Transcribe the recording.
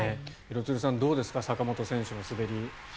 廣津留さん、どうですか坂本選手の滑り。